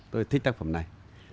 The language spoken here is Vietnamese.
tôi thích tác phẩm này